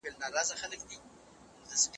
اوس هم کوي پوښتنه دکاروان مومند لۀ خلکو